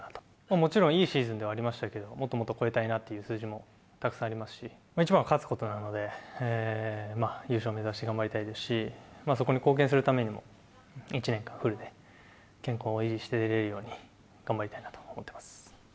もちろん、いいシーズンではありましたけれど、もっともっと超えたいなっていう数字もたくさんありますし、一番は勝つことなので、優勝を目指して頑張りたいですし、そこに貢献するためにも、一年間、フルで健康を維持していけるように、頑張りたいなと思ってます。